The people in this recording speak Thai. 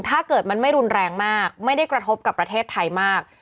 ถ้าเกิดมันไม่รุนแรงมากไม่ได้กระทบกับประเทศไทยมาก